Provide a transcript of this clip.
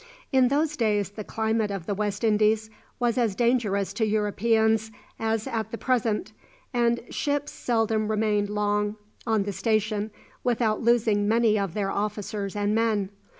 In those days the climate of the West Indies was as dangerous to Europeans as at the present, and ships seldom remained long on the station without losing many of their officers and men.